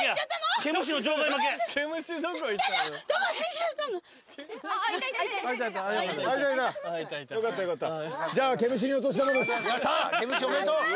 毛虫おめでとう。